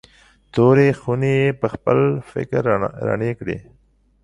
تورې خونې یې پخپل فکر رڼې کړې.